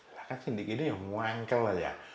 kan ini ini yang muangkel ya